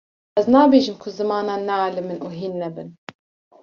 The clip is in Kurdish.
ez nabêjim ku zimanan nealimin û hîn nebin